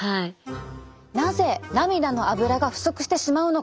なぜ涙のアブラが不足してしまうのか。